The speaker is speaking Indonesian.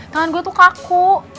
tangan gue tuh kaku